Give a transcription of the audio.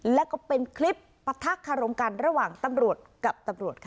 และก็เป็นคลิปปะทะคารมกันระหว่างตำรวจกับตำรวจค่ะ